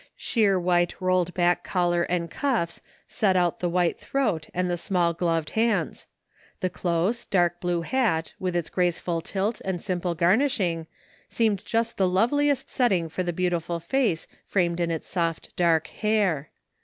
Sheer white rolled back collar and cuffs set out the white throat and the small gloved hands ; the close, dark blue hat with its graceful tilt and simple garnish ing seemed just the loveliest setting for the beautiful face framed in its soft dark hair.